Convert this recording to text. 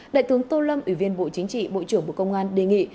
đại tướng tô lâm ủy viên bộ chính trị bộ trưởng bộ công an đề nghị